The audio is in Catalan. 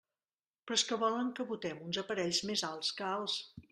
Però és que volen que botem uns aparells més alts que alts.